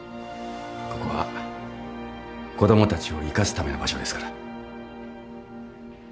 ここは子供たちを生かすための場所ですから。